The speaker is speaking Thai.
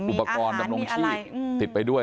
อุปกรณ์ดำรงชีพติดไปด้วย